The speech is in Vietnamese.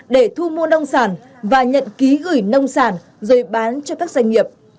để thu mua nông sản và nhận ký gửi nông sản rồi bán cho các doanh nghiệp